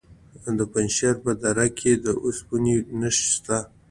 د پنجشیر په دره کې د اوسپنې نښې شته.